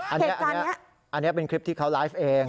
อันนี้เป็นคลิปที่เขาไลฟ์เอง